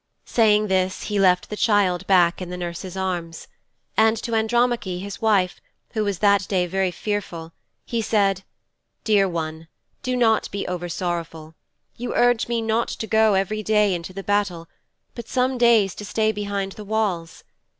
'" Saying this he left the child back in his nurse's arms. And to Andromache, his wife, who that day was very fearful, he said "Dear one, do not be over sorrowful. You urge me not to go every day into the battle, but some days to stay behind the walls.